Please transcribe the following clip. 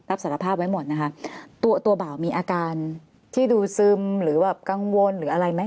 รับสารภาพไว้หมดนะคะตัวตัวบ่าวมีอาการที่ดูซึมหรือแบบกังวลหรืออะไรไหม